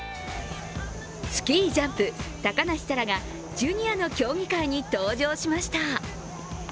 スキージャンプ高梨沙羅がジュニアの競技会に登場しました。